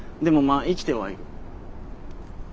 まあ生きてはいる。